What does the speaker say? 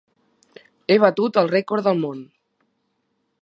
He batut el rècord del món!